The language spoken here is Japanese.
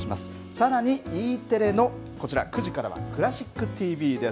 さらにＥテレのこちら９時からはクラシックＴＶです。